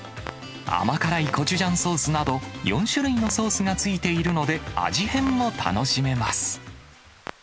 甘辛いコチジャンソースなど、４種類のソースがついているので、味変も楽しめます。